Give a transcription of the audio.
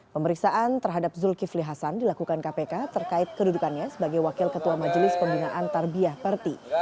pemeriksaan terhadap zulkifli hasan dilakukan kpk terkait kedudukannya sebagai wakil ketua majelis pembinaan tarbiah perti